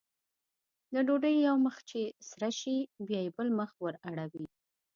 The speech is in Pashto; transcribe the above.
د ډوډۍ یو مخ چې سره شي بیا یې بل مخ ور اړوي.